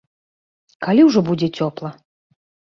Калі ўжо будзе цёпла?